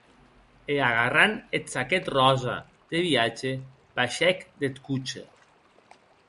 E agarrant eth saquet ròsa de viatge, baishèc deth coche.